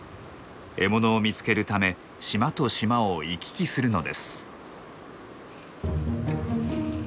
獲物を見つけるため島と島を行き来するのです。